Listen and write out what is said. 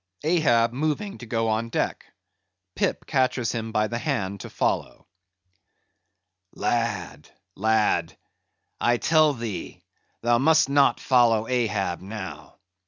(Ahab moving to go on deck; Pip catches him by the hand to follow.) "Lad, lad, I tell thee thou must not follow Ahab now.